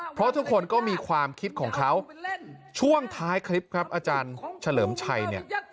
เพราะทุกคนก็มีความคิดของเขาช่วงท้ายคลิปครับอาจารย์เฉลิมชัยเนี่ย